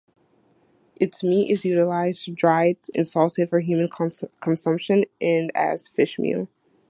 Its meat is utilized dried and salted for human consumption and as fishmeal.